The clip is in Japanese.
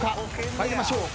参りましょう。